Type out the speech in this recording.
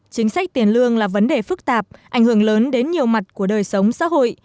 chính sách tiền lương là vấn đề phức tạp ảnh hưởng lớn đến nhiều mặt của đời sống xã hội